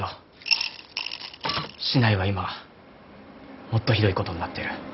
市内は今もっとひどいことになってる。